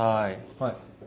はい。